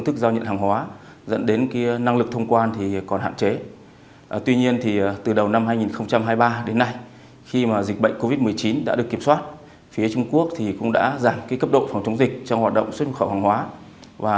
từ đầu năm hai nghìn hai mươi ba đến nay khi dịch bệnh covid một mươi chín đã được kiểm soát phía trung quốc cũng đã giảm cấp độ phòng chống dịch trong hoạt động xuất khẩu hàng hóa